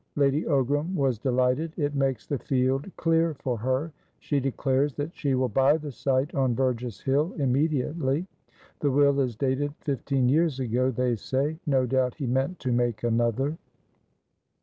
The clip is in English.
Lady Ogram was delighted. It makes the field clear for her. She declares that she will buy the site on Burgess Hill immediately. The will is dated fifteen years ago, they say; no doubt he meant to make another."